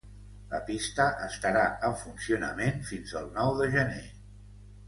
La pista estarà en funcionament fins el nou de gener.